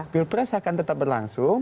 pilpres akan tetap berlangsung